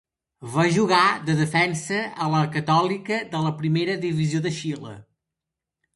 Va jugar de defensa a la Catòlica de la Primera Divisió de Xile.